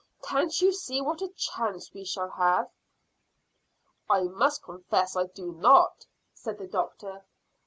Can't you see what a chance we shall have?" "I must confess I do not," said the doctor.